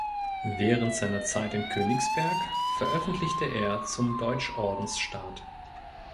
Während seiner Zeit in Königsberg veröffentlichte er zum Deutschordensstaat.